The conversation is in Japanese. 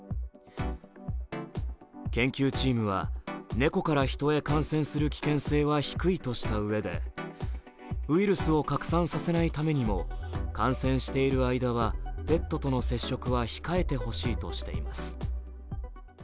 研究チームはネコからヒトへ感染する危険性は低いとしたうえでウイルスを拡散させないためにも感染している間はペットとの接触は控えてほしいとしています。